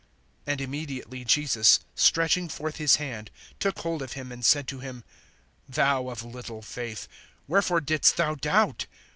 (31)And immediately Jesus, stretching forth his hand, took hold of him, and said to him: Thou of little faith, wherefore didst thou doubt?